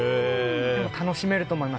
でも楽しめると思います